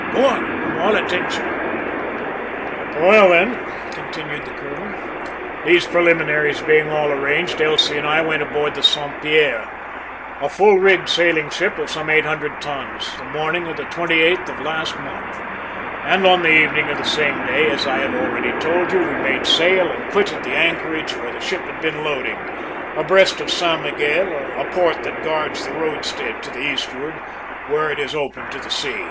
Go on; I'm all attention." "Well, then," continued the colonel, "these preliminaries being all arranged, Elsie and I went aboard the Saint Pierre, a full rigged sailing ship of some eight hundred tons, the morning of the twenty eighth of last month; and on the evening of the same day, as I have already told you, we made sail and quitted the anchorage where the ship had been loading abreast of San Miguel, a port that guards the roadstead to the eastward, where it is open to the sea."